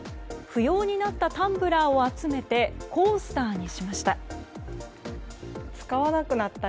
不要になったタンブラーを集めてコースターにしました。